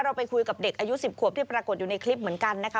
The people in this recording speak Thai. ไปคุยกับเด็กอายุ๑๐ขวบที่ปรากฏอยู่ในคลิปเหมือนกันนะคะ